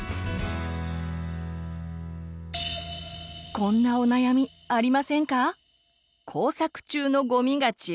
こんなお悩みありませんか？